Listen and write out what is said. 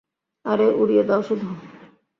আরে, উড়িয়ে দাও শুধু!